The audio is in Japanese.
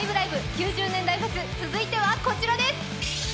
９０年代フェス、続いてはこちらです！